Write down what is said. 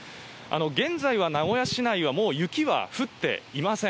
現在、名古屋市内は、もう雪は降っていません。